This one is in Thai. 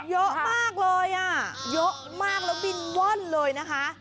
เยอะมากเลยอ่ะเยอะมากแล้วบินว่อนเลยนะคะ